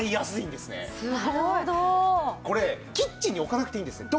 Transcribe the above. これキッチンに置かなくていいんですね。